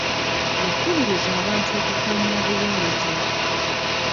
Yakubiriza abantu okukuuma obuyonjo.